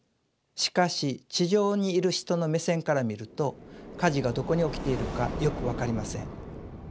しかし地上にいる人の目線から見ると火事がどこに起きているかよく分かりません。